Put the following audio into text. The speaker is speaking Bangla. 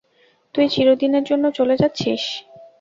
তুই চিরদিনের জন্য চলে যাচ্ছিস।